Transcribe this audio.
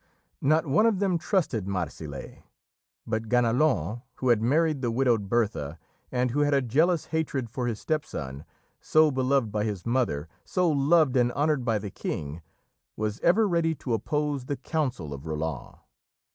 Not one of them trusted Marsile, but Ganelon, who had married the widowed Bertha and who had a jealous hatred for his step son so beloved by his mother, so loved and honoured by the King was ever ready to oppose the counsel of Roland.